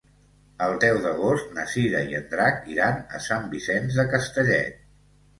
El deu d'agost na Cira i en Drac iran a Sant Vicenç de Castellet.